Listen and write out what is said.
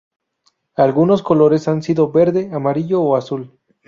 Algunos colores han sido: verde, amarillo o azul.